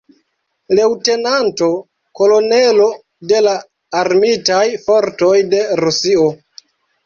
Leŭtenanto Kolonelo de la Armitaj Fortoj de Rusio.